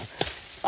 あ！